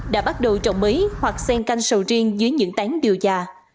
đã bắt đầu trồng mới hoặc sen canh sầu riêng dưới những tán điều già